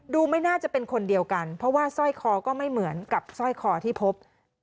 ไม่น่าจะเป็นคนเดียวกันเพราะว่าสร้อยคอก็ไม่เหมือนกับสร้อยคอที่พบ